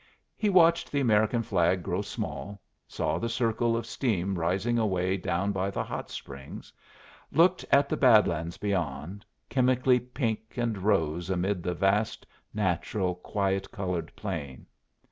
He watched the American flag grow small, saw the circle of steam rising away down by the hot springs, looked at the bad lands beyond, chemically pink and rose amid the vast, natural, quiet colored plain.